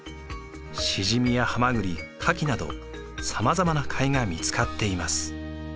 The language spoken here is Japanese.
シジミやハマグリカキなどさまざまな貝が見つかっています。